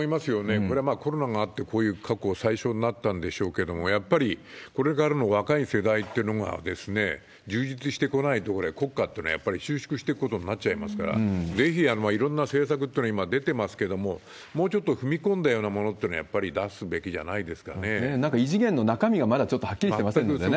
これはコロナもあって、こういう過去最少になったんですけれども、やっぱりこれからの若い世代というのが充実してこないと、これ、国家っていうのは、やっぱり収縮していくことになっちゃいますから、ぜひいろんな政策っていうのが今出てますけれども、もうちょっと踏み込んだようなものというのをやっぱり出すべきじなんか異次元の中身がまだちょっとはっきりしてませんのでね。